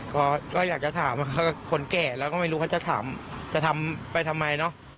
ก็อยากจะถามคนแก่เราก็ไม่รู้เขาจะถามจะทำไปทำไมเนอะ